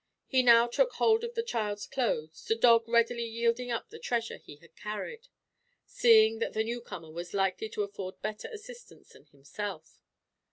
He now took hold of the child's clothes, the dog readily yielding up the treasure he had carried, seeing that the newcomer was likely to afford better assistance than himself.